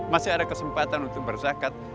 masih ada kesempatan untuk berzakat